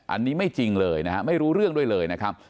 อันนี้ไม่จริงเลยนะครับ